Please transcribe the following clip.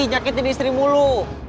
nyakitin istrimu lu